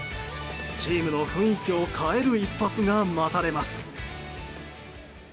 チームの雰囲気を変える一発が待たれます。